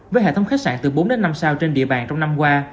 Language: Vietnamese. với hệ thống khách sạn từ bốn đến năm sao trên địa bàn trong năm qua